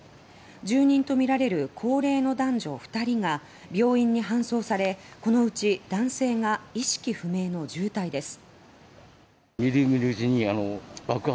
住人とみられる高齢の男女２人が病院に搬送されこのうち男性が意識不明の重体です。